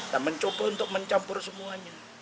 dan mencoba untuk mencampur semuanya